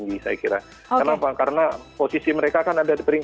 jadi kamu berkata harus sendiri sendiri tapi tidak akan jadi keduanya